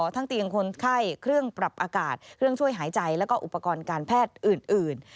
เตียงคนไข้เครื่องปรับอากาศเครื่องช่วยหายใจแล้วก็อุปกรณ์การแพทย์อื่น